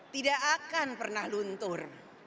tidak akan pernah luntur